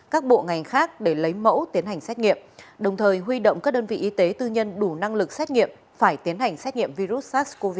các bộ ngành khác để lấy mẫu tiến hành xét nghiệm đồng thời huy động các đơn vị y tế tư nhân đủ năng lực xét nghiệm phải tiến hành xét nghiệm virus sars cov hai